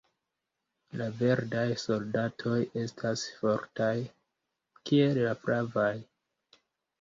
La verdaj soldatoj estas fortaj kiel la flavaj.